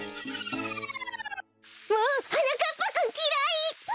もうはなかっぱくんきらい！